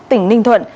tỉnh ninh thuận